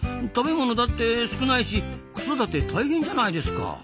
食べ物だって少ないし子育て大変じゃないですか。